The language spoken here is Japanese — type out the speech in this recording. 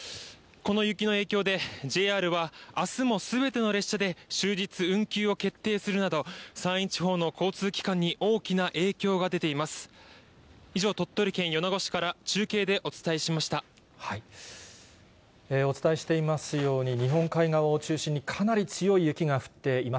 この雪の影響で、ＪＲはあすもすべての列車で、終日運休を決定するなど、山陰地方の交通機関に大きな影響が出ています。